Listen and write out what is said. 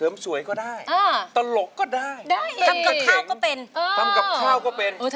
เทริมสวยก็ได้ตลกก็ได้ทำกับข้าวก็เป็นโอ้โห